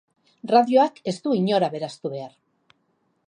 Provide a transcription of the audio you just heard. Radioak ez du inor aberastu behar.